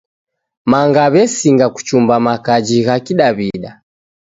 Manga w'esinga kuchumba makaji gha Kidaw'ida.